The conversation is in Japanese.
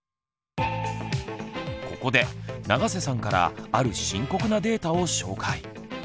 ここで永瀬さんからある深刻なデータを紹介。